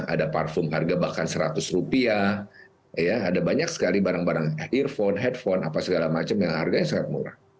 ada parfum harga bahkan seratus rupiah ada banyak sekali barang barang earphone headphone apa segala macam yang harganya sangat murah